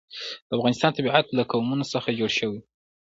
د افغانستان طبیعت له قومونه څخه جوړ شوی دی.